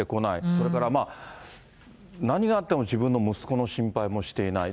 それから何があっても自分の息子の心配もしていない。